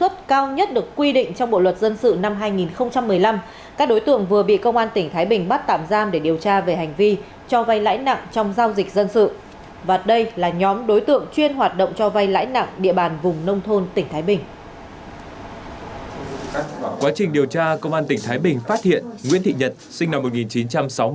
quá trình điều tra công an tỉnh thái bình phát hiện nguyễn thị nhật sinh năm một nghìn chín trăm sáu mươi tám